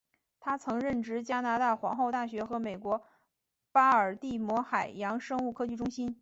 他曾任职加拿大皇后大学和美国巴尔的摩海洋生物科技中心。